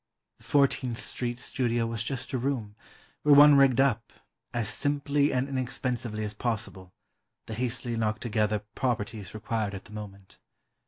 The Fourteenth Street studio was just a room, where one rigged up, as simply and inexpensively as possible, the hastily knocked together properties required at the moment.